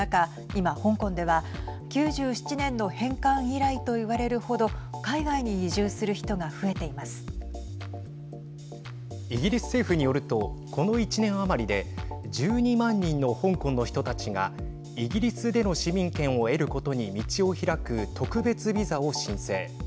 今、香港では９７年の返還以来といわれるほど海外にイギリス政府によるとこの１年余りで１２万人の香港の人たちがイギリスでの市民権を得ることに道を開く特別ビザを申請。